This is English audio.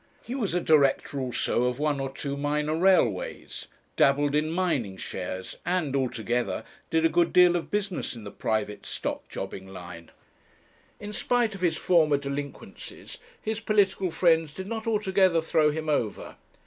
He was a director also of one or two minor railways, dabbled in mining shares, and, altogether, did a good deal of business in the private stock jobbing line. In spite of his former delinquencies, his political friends did not altogether throw him over.